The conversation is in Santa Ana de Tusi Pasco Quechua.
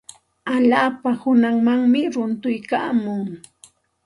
Slapa hananmanmi runtuykaamun.